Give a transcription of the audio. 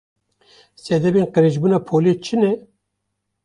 Sedemên qirêjbûna polê çi ne?